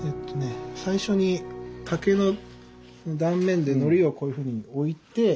最初に竹の断面でのりをこういうふうに置いて。